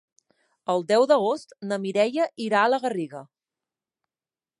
El deu d'agost na Mireia irà a la Garriga.